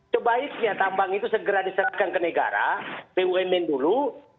sebaiknya tambang itu segera diserahkan ke negara bumn dulu